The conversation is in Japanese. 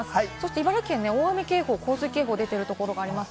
茨城県には大雨警報、洪水警報が出ているところがあります。